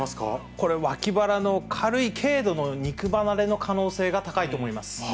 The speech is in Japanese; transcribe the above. これ、脇腹の軽い、軽度の肉離れの可能性が高いと思います。